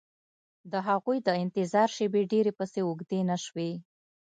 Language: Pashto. د هغوی د انتظار شېبې ډېرې پسې اوږدې نه شوې